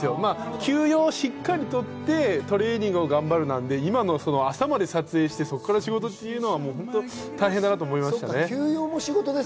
休養をしっかり取ってトレーニングを頑張るなんで、今の朝まで撮影してそっから仕事っていうのは大変だなと思います。